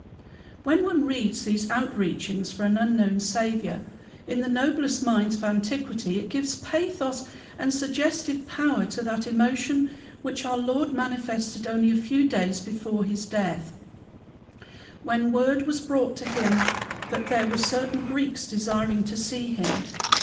When one reads these outreachings for an unknown Saviour in the noblest minds of antiquity, it gives pathos and suggestive power to that emotion which our Lord manifested only a few days before his death, when word was brought him that there were certain Greeks desiring to see him.